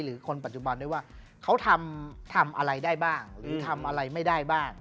คนปัจจุบันด้วยว่าเขาทำอะไรได้บ้างหรือทำอะไรไม่ได้บ้าง